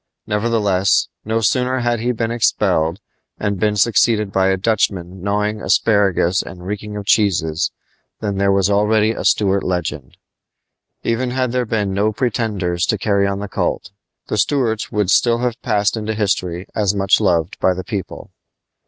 Nevertheless, no sooner had he been expelled, and been succeeded by a Dutchman gnawing asparagus and reeking of cheeses, than there was already a Stuart legend. Even had there been no pretenders to carry on the cult, the Stuarts would still have passed into history as much loved by the people.